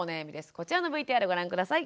こちらのＶＴＲご覧下さい。